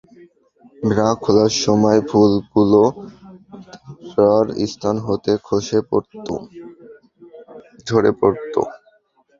Bra খোলার সময় ফুলগুলো তার স্তন হতে ঝড়ে পড়ত।